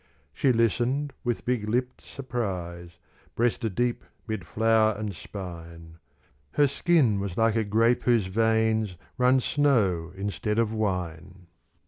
She listened with big lipped surprise, Breast deep 'mid flower and spine: Her skin was like a grape whose veins Run snow instead of wine.